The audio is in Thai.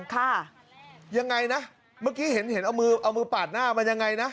ค่ะยังไงนะเมื่อกี้เห็นเห็นเอามือเอามือปาดหน้ามันยังไงนะ